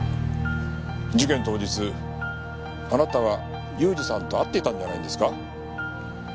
事件当日あなたは雄二さんと会っていたんじゃないんですか？